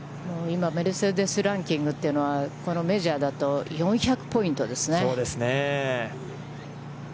今メルセデス・ランキングというのは、このメジャーだと４００ポイントですね。